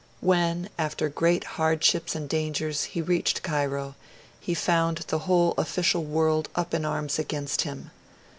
When, after great hardships and dangers, he reached Cairo, he found the whole official world up in arms against him.